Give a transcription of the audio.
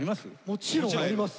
もちろんあります。